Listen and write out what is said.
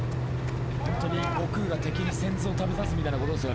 悟空が敵に仙豆を食べさすみたいなことですよね。